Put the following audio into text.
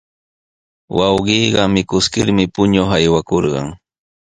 Wawqiiqa mikuskirmi puñuq aywakurqan.